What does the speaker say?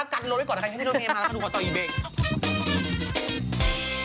เพราะพี่โนเมนมาแล้วกดต่ออีเบก